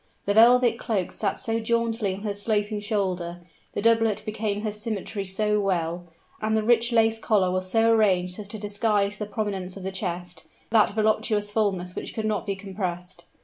The velvet cloak sat so jauntily on her sloping shoulder; the doublet became her symmetry so well; and the rich lace collar was so arranged as to disguise the prominence of the chest that voluptuous fullness which could not be compressed.